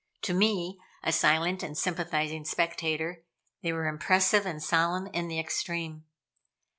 To me, a silent and sympathizing spectator, they were impressive and solemn in the extreme.